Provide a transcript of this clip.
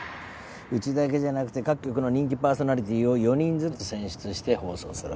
うちだけじゃなくて各局の人気パーソナリティーを４人ずつ選出して放送する。